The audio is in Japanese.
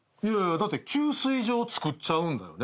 だって給水所を作っちゃうんだよね？